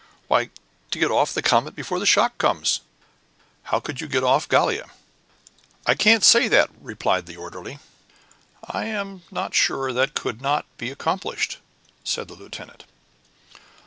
"Why, to get off the comet before the shock comes." "How could you get off Gallia?" "That I can't say," replied the orderly. "I am not sure that that could not be accomplished," said the lieutenant.